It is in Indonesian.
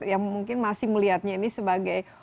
yang mungkin masih melihatnya ini sebagai